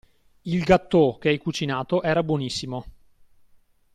Il gattò che hai cucinato era buonissimo.